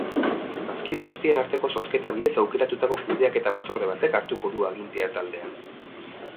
Bazkide guztien arteko zozketa bidez aukeratutako kudeaketa batzorde batek hartuko du agintea taldean.